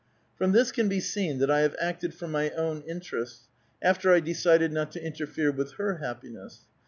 '' From this can be seen that I have acted for my own inter ests, after I decided not to interfere with her happiness.